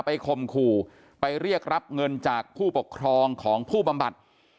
คมขู่ไปเรียกรับเงินจากผู้ปกครองของผู้บำบัด